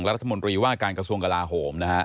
รัฐมนตรีว่าการกระทรวงกลาโหมนะฮะ